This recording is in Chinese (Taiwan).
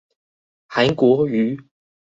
韓國瑜